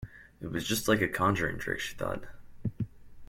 It was just like a conjuring-trick, she thought.